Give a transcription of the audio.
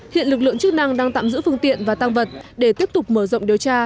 hiện lực lượng chức năng đang tạm giữ phương tiện và tăng vật để tiếp tục mở rộng điều tra